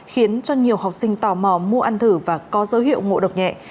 khiến cho nhiều học sinh tò mò mua ăn thử và có dấu hiệu ngộ độc nhẹ